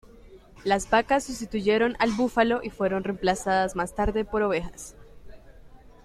Las vacas sustituyeron al búfalo, y fueron reemplazadas más tarde por ovejas.